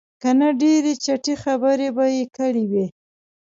که نه ډېرې چټي خبرې به یې کړې وې.